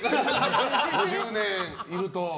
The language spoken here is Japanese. ５０年いると。